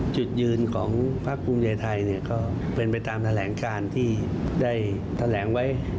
จุดยืนของพักภูมิใจไทยก็เป็นไปตามแถลงการที่ได้แถลงไว้